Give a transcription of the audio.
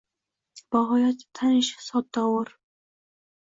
Bagʼoyatda tanish sodda, gʼoʼr